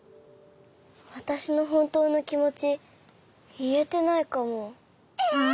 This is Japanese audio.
わたしのほんとうのきもちいえてないかも。え！？